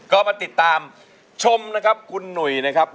ก็มาติดตามชมนะครับคุณหนุ่ยนะครับ